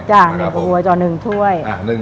จ้ะ๑กระบวยจอด๑ถ้วย